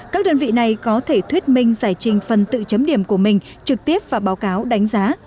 các đơn vị này có thể thuyết minh giải trình phần tự chấm điểm của mình trực tiếp và báo cáo đánh giá